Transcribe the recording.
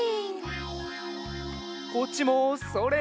こっちもそれ！